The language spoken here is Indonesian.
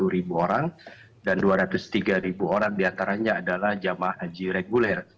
dua ratus dua puluh satu ribu orang dan dua ratus tiga ribu orang diantaranya adalah jemaah haji reguler